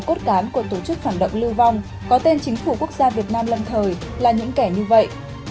đào minh quân và số cốt cán của tổ chức phản động lưu vong có tên chính phủ quốc gia việt nam lần thời là những kẻ như vậy